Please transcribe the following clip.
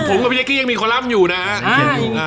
ผมกับพี่จ๊ะกี้ยังมีคอรัมป์อยู่นะ